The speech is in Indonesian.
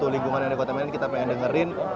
lingkungan yang ada di kota medan kita pengen dengerin